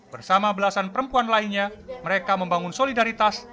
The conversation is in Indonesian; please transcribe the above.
bersama belasan perempuan lainnya mereka membangun solidaritas